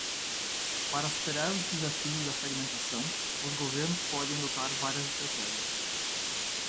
Para superar os desafios da fragmentação, os governos podem adotar várias estratégias.